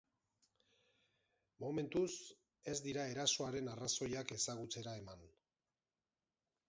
Momentuz, ez dira erasoaren arrazoiak ezagutzera eman.